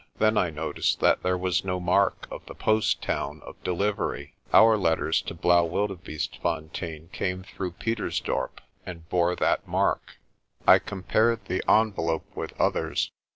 Then I noticed that there was no mark of the post town of delivery. Our letters to Blaauwildebeestefontein came through Pietersdorp, and bore that mark. I compared the envelope with others.